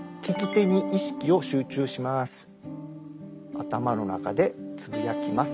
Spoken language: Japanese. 頭の中でつぶやきます。